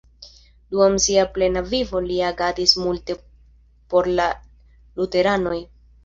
Dum sia plena vivo li agadis multe por la luteranoj.